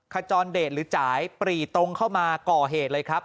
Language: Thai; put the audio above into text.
ขจรเดชหรือจ่ายปรีตรงเข้ามาก่อเหตุเลยครับ